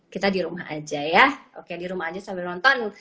kita di rumah aja ya oke di rumah aja sambil nonton